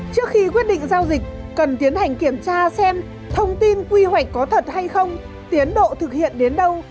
trước khi quyết định giao dịch cần tiến hành kiểm tra xem thông tin quy hoạch có thật hay không tiến độ thực hiện đến đâu